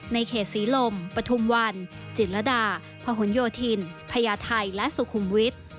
ในเขตศรีลมปฐุมวันจิตรดาพหนโยธินพญาไทยและสุขุมวิทย์